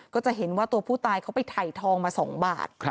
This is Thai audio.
ก็จะเห็นว่าตัวผู้ตายเขาไปถ่ายทองมา๒บาท